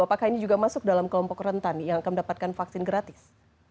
apakah ini juga masuk dalam kelompok rentan yang akan mendapatkan vaksin gratis